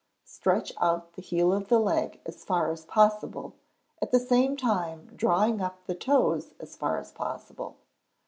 Stretch out the heel of the leg as far as possible, at the same time drawing up the toes as far as possible.